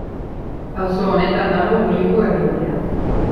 Auzo honetan dago Loiuko herrigunea.